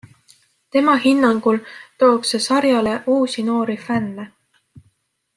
Tema hinnangul tooks see sarjale uusi noori fänne.